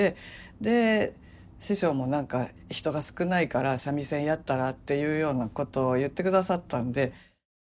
で師匠も何か「人が少ないから三味線やったら」っていうようなことを言ってくださったんで。